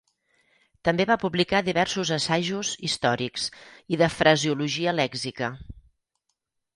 També va publicar diversos assajos històrics i de fraseologia lèxica.